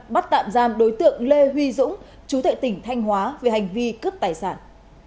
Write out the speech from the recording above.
bắt tạm giam đối tượng lê huy dũng chú tệ tỉnh thanh hóa về hành vi cướp tài sản